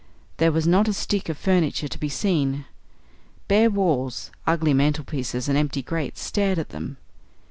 There was not a stick of furniture to be seen. Bare walls, ugly mantel pieces and empty grates stared at them.